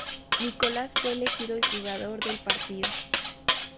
Nicolás fue elegido el jugador del partido.